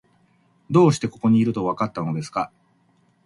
どうしてここにいると、わかったのですか？